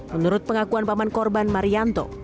menurut pengakuan paman korban marianto